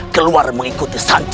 kamu harus menemui adikku tercinta